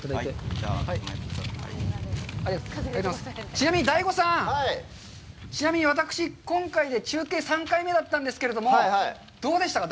ちなみに、ＤＡＩＧＯさん、ちなみに私、今回で中継、３回目だったんですけれども、どうでしたか？